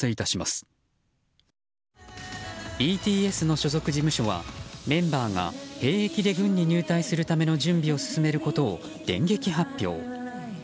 ＢＴＳの所属事務所はメンバーが兵役で軍に入隊するための準備を進めることを電撃発表。